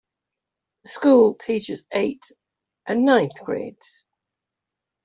The school teaches eight and ninth grades.